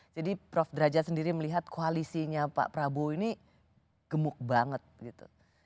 jadi prof rajat sendiri melihat koalisinya pak prabowo ini gemuk banget gitu